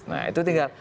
nah itu tinggal